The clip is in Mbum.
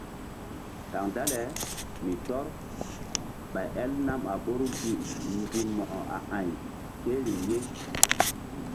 Kaŋ dale mi tɔ́r ɓay el nam a ɓoru gi mbi Mo̧ko a a̧y ke riŋ ye.